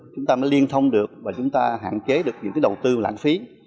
chúng ta mới liên thông được và chúng ta hạn chế được những cái đầu tư lãng phí